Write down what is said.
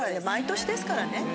毎年ですからね。